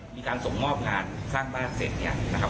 มีการส่งมอบงานสร้างบ้านเสร็จเนี่ยนะครับ